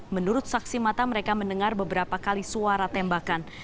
menurut saksi mata mereka mendengar beberapa kali suara tembakan